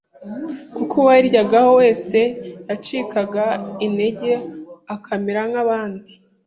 kuko uwayiryagaho wese yacikaga integer akamera nk’abandi